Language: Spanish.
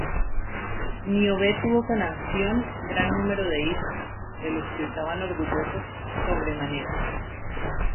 Níobe tuvo con Anfión gran número de hijos, de los que estaban orgullosos sobremanera.